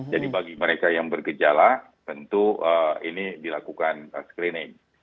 jadi bagi mereka yang bergejala tentu ini dilakukan screening